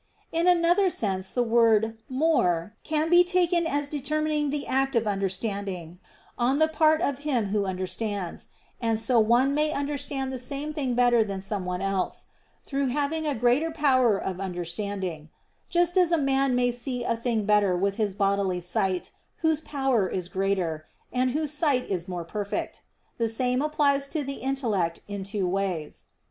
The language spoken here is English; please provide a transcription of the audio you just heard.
In another sense the word "more" can be taken as determining the act of understanding on the part of him who understands; and so one may understand the same thing better than someone else, through having a greater power of understanding: just as a man may see a thing better with his bodily sight, whose power is greater, and whose sight is more perfect. The same applies to the intellect in two ways.